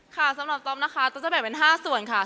ค่ะสำหรับต๊อบนะคะต๊อบจะแบ่งเป็น๕ส่วนค่ะ